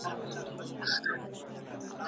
بې ګټي تمې نه کېږي.